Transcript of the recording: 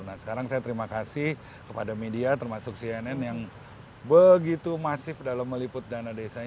nah sekarang saya terima kasih kepada media termasuk cnn yang begitu masif dalam meliput dana desa ini